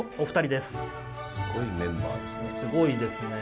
すごいメンバーですね。